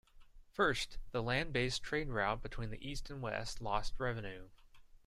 First, the land based trade route between east and west lost relevance.